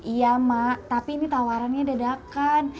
iya mak tapi ini tawarannya dadakan